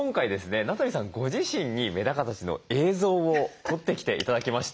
名取さんご自身にメダカたちの映像を撮ってきて頂きました。